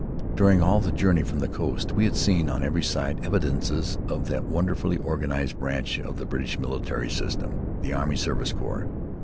During all the journey from the coast, we had seen, on every side, evidences of that wonderfully organized branch of the British military system, the Army Service Corps.